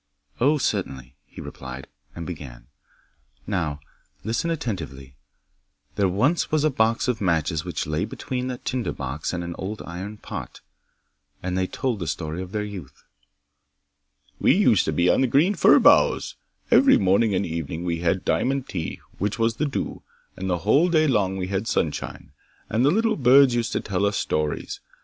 'Oh, certainly,' he replied, and began: 'Now, listen attentively. There was once a box of matches which lay between a tinder box and an old iron pot, and they told the story of their youth. '"We used to be on the green fir boughs. Every morning and evening we had diamond tea, which was the dew, and the whole day long we had sunshine, and the little birds used to tell us stories.